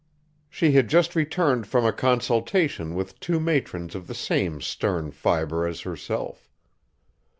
She had just returned from a consultation with two matrons of the same stern fibre as herself.